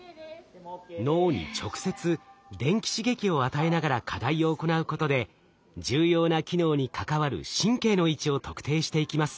脳に直接電気刺激を与えながら課題を行うことで重要な機能に関わる神経の位置を特定していきます。